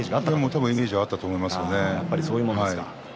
多分、イメージがあったと思いますね。